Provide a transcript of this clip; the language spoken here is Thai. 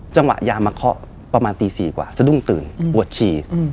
จังหวะยามมาข้อก็ประมาณตี๔กว่าจะดุ้งตื่นบวชชี